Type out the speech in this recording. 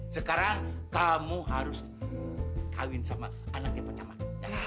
sekarang kamu harus kawin sama anaknya pacar mak